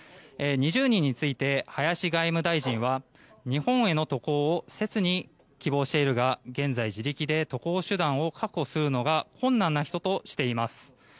２０人について林外務大臣は日本への渡航を切に希望しているが現在、自力で渡航手段を確保することが困難な人としています。